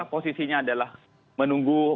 posisinya adalah menunggu